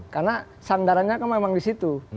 karena sandarannya kan memang di situ